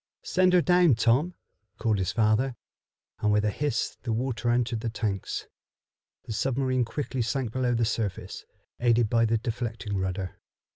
"Send her down, Tom," called his father, and with a hiss the water entered the tanks. The submarine quickly sank below the surface, aided by the deflecting rudder.